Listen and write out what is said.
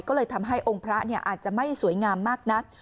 ก็เลยทำให้องค์พระอาจจะไม่สวยงามมากนัก